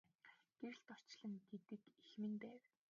Гэрэлт орчлон гэдэг эх минь байв.